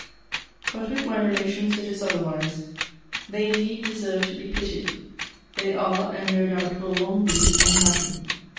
But with my relations it is otherwise. They indeed deserve to be pitied. They are, and no doubt will long be, unhappy.